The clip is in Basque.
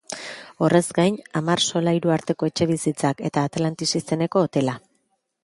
Horrez gain, hamar solairu arteko etxebizitzak eta Atlantis izeneko hotela.